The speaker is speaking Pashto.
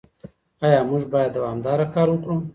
ايا موږ بايد دوامداره کار وکړو؟